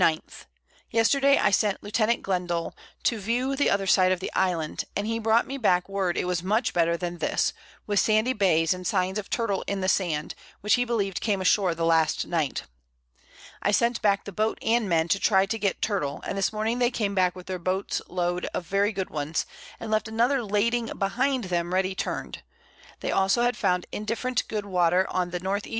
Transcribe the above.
_ Yesterday I sent Lieut. Glendall to view the other side of the Island, and he brought me back word it was much better than this, with sandy Bays, and signs of Turtle in the Sand, which he believed came ashore the last Night. I sent back the Boat and Men to try to get Turtle; and this Morning they came back with their Boats Load of very good ones, and left another lading behind them ready turn'd; they also had found indifferent good Water on the N. E.